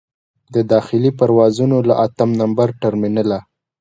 د داخلي پروازونو له اتم نمبر ټرمینله.